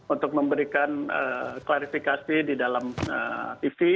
untuk memberikan klarifikasi di dalam tv